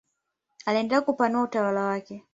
Aliendelea kupanua utawala wake.